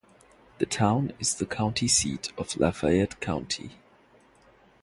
The town is the county seat of Lafayette County.